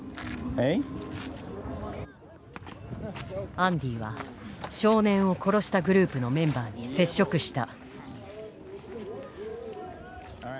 アンディは少年を殺したグループのメンバーに接触した。